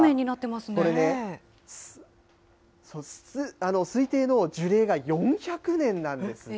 これね、推定の樹齢が４００年なんです。